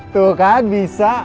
tuh kan bisa